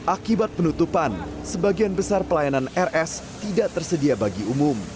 akibat penutupan sebagian besar pelayanan rs tidak tersedia bagi umum